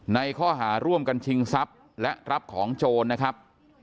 ในข้อหาร่วมกันชิงทรัพย์และรับของโจรนะครับ